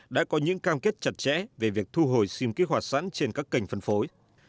đã có những cam kết chặt chẽ về việc thu hồi sim kích hoạt sẵn trên các kênh phân phối